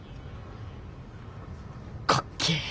かっけえ！